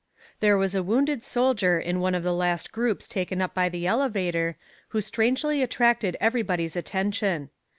There was a wounded soldier in one of the last groups taken up by the elevator who strangely attracted everybody's attention.